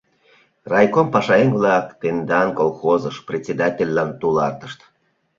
— Райком пашаеҥ-влак тендан колхозыш председательлан тулартышт.